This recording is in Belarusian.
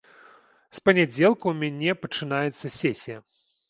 З панядзелка ў мяне пачынаецца сесія.